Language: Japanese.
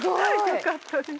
よかったです。